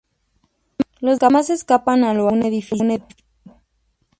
Los demás escapan a lo alto de un edificio.